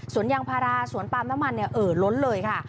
สวนยังพาราสวนปลามน้ำมันเอ่อล้นเลยค่ะ